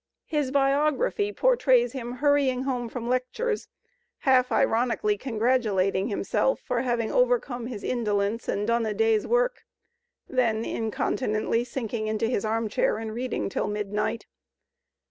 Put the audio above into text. His biography portrays him hurrying home from lectures, half ironically congratulating himself for having overcome his indolence and 'Mone a day's work," then incontinently sinking into his armchair and reading till midnight.